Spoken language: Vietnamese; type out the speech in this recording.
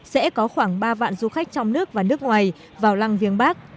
sẽ có khoảng ba vạn du khách trong nước và nước ngoài vào lăng viếng bắc